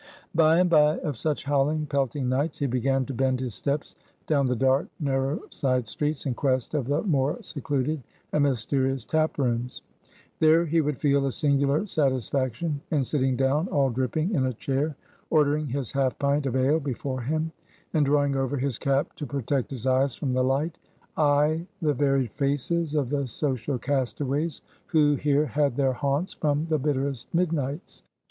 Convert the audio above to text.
By and by, of such howling, pelting nights, he began to bend his steps down the dark, narrow side streets, in quest of the more secluded and mysterious tap rooms. There he would feel a singular satisfaction, in sitting down all dripping in a chair, ordering his half pint of ale before him, and drawing over his cap to protect his eyes from the light, eye the varied faces of the social castaways, who here had their haunts from the bitterest midnights.